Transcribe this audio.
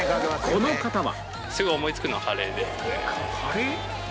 この方は